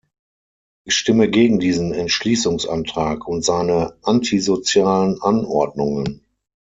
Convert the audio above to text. Ich stimme gegen diesen Entschließungsantrag und seine antisozialen Anordnungen.